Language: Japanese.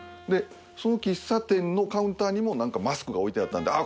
その喫茶店のカウンターにもなんかマスクが置いてあったんであっ